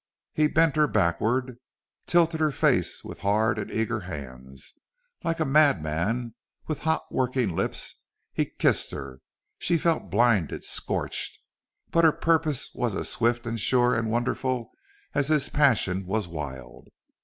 He bent her backward tilted her face with hard and eager hand. Like a madman, with hot working lips, he kissed her. She felt blinded scorched. But her purpose was as swift and sure and wonderful as his passion was wild.